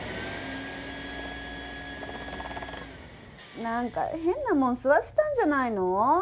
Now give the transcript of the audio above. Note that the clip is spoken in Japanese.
・何か変なもん吸わせたんじゃないの？